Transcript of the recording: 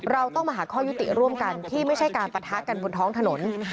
เราต้องมาหาข้อยุติร่วมกันที่ไม่ใช่การปะทะกันบนท้องถนน